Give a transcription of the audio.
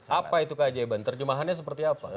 apa itu keajaiban terjemahannya seperti apa